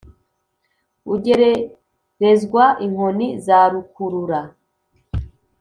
ugererezwa inkoni za rukurura.